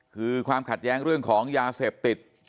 คือความขัดแย้งเรื่องของยาเสพติด